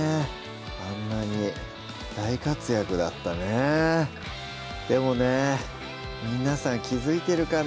あんなに大活躍だったねでもね皆さん気付いてるかな？